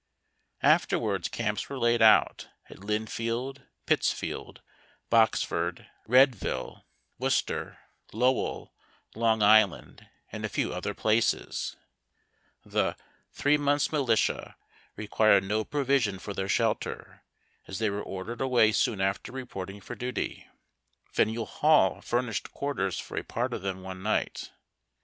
Afterwards camps were laid out at Lynnfield, Pitts field, Boxford, Readville, Worcester, Lowell, Long Island, and a few other places. The " Three months militia " required HOW THE SOLDIERS WERE SHELTERED. 45 no provision for their shelter, as they were ordered away soon after reporting for duty. Faneuil Hall furnished quar ters for a part of them one niijht.